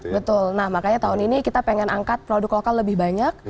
betul nah makanya tahun ini kita pengen angkat produk lokal lebih banyak